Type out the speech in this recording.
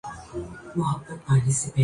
کپاس پر درامدی ٹیکس ختم کرنے کا مطالبہ